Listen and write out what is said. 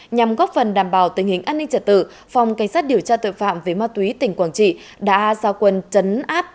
nhằm góp phần đảm bảo tình hình an ninh trật tự phòng cảnh sát điều tra tội phạm về ma túy tỉnh quảng trị đã giao quân chấn áp